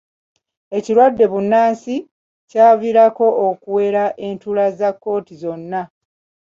Ekirwadde bbunansi kyaviirako okuwera entuula za kkooti zonna.